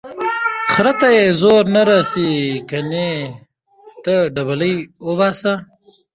ـ خره ته يې زور نه رسي کتې ته ډبلي اوباسي.